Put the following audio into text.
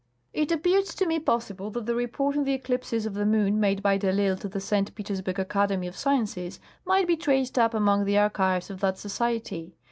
It appeared to me possible that the report on the eclipses of the moon made by de I'lsle to the St. Petersburg Acacleni}^ of Sciences might be traced up among the archives of that society.